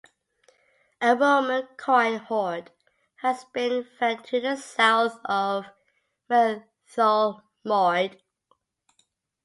A Roman coin hoard has been found to the south of Mytholmroyd.